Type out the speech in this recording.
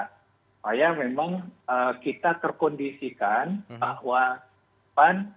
supaya memang kita terkondisikan bahwa